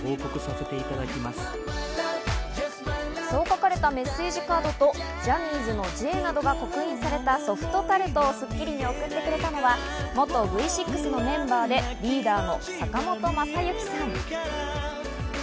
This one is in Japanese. そう書かれたメッセージカードとジャニーズの「Ｊ」などが刻印されたソフトタルトを『スッキリ』に送ってくれたのは、元Ｖ６のメンバーでリーダーの坂本昌行さん。